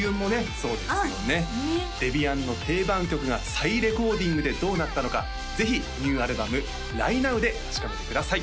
そうですよねあっそうですねデビアンの定番曲が再レコーディングでどうなったのかぜひニューアルバム「らいなう」で確かめてください